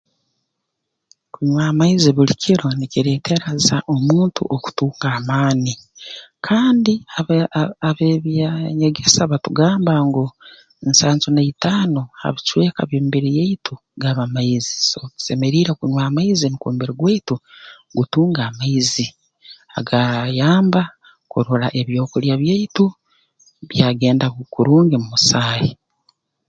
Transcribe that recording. Kunywa amaizi buli kiro nikireetereza omuntu okutunga amaani kandi ab ab ab'ebyaa nyegesa batugamba ngu nsanju naitano ha bicweka by'emibiri yaitu gaba maizi so tusemeriire kunywa amaizi nukwo omubiri gwaitu gutunge amaizi agaraayamba kurora ebyokulya byaitu byagenda kurungi mu musaahi